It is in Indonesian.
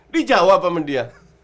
dia jawab sama dia